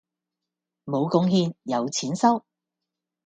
無貢獻有錢收